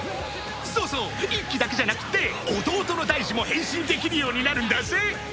そうそう一輝だけじゃなくて弟の大二も変身できるようになるんだぜ